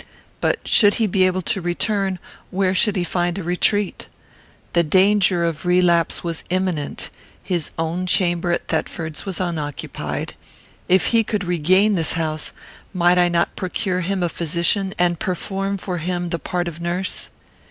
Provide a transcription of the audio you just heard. But, should he be able to return, where should he find a retreat? The danger of relapse was imminent; his own chamber at Thetford's was unoccupied. If he could regain this house, might I not procure him a physician and perform for him the part of nurse?